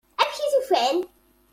Amek i t-ufan?